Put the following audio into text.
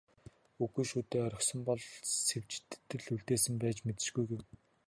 "Үгүй шүү дээ, орхисон бол Сэвжидэд л үлдээсэн байж мэдэшгүй" гэв.